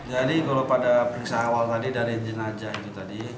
jadi kalau pada periksa awal tadi dari jenajah itu tadi